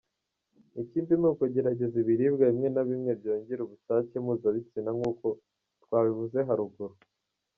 Ikindi ni ukugerageza ibiribwa bimwe na bimwe byongera ubushake mpuzabitsina nk’uko twabivuze haruguru.